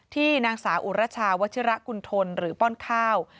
นางสาวอุรชาวัชิระกุณฑลหรือป้อนข้าว